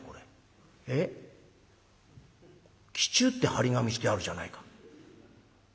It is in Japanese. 忌中って貼り紙してあるじゃないか。